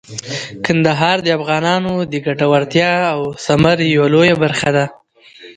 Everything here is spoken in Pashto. کندهار د افغانانو د ګټورتیا او ثمر یوه لویه برخه ده.